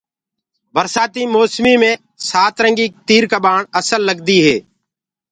برسآتي موسمو مي سترنگيٚ ڪٻآڻ اسل لگدي هي